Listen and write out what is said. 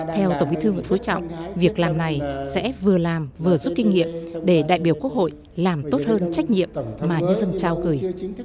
theo tổng bí thư nguyễn phú trọng việc làm này sẽ vừa làm vừa rút kinh nghiệm để đại biểu quốc hội làm tốt hơn trách nhiệm mà nhân dân trao gửi